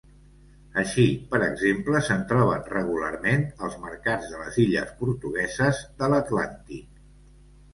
Així, per exemple, se'n troben regularment als mercats de les illes portugueses de l'Atlàntic.